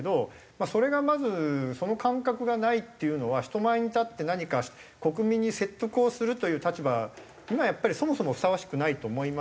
まあそれがまずその感覚がないっていうのは人前に立って何か国民に説得をするという立場にはやっぱりそもそもふさわしくないと思いますし。